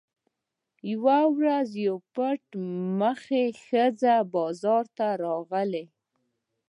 یوه ورځ یوه پټ مخې ښځه بازار ته راغله.